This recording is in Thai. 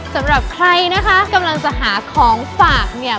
สำหรับใครนะคะกำลังจะหาของฝากเนี่ย